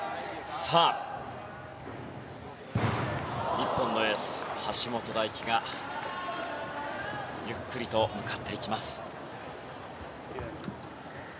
さあ、日本のエース橋本大輝がゆっくりと向かっていきます。